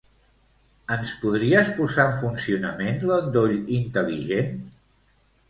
Ens podries posar en funcionament l'endoll intel·ligent?